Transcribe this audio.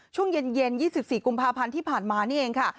ช่วงเย็น๒๔กุมภาพันธ์ที่ผ่านมานี่เองค่ะ